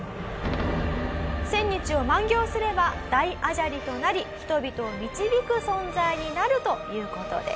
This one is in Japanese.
１０００日を満行すれば大阿闍梨となり人々を導く存在になるという事です。